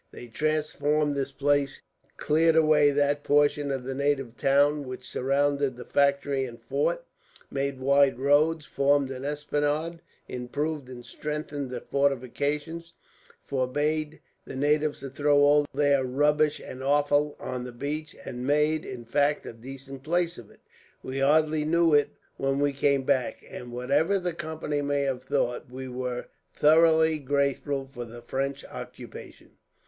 They transformed this place; cleared away that portion of the native town which surrounded the factory and fort, made wide roads, formed an esplanade, improved and strengthened the fortifications, forbade the natives to throw all their rubbish and offal on the beach; and made, in fact, a decent place of it. We hardly knew it when we came back, and whatever the Company may have thought, we were thoroughly grateful for the French occupation.